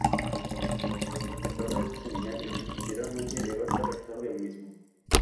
Fue profesor en ese seminario, y posteriormente llegó a ser rector del mismo.